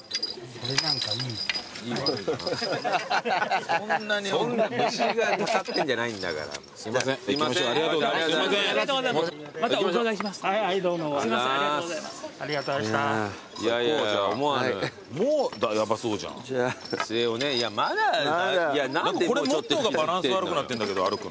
これ持った方がバランス悪くなってんだけど歩くの。